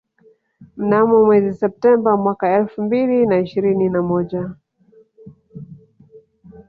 Mnamo mwezi Septemba mwaka elfu mbili na ishirini na moja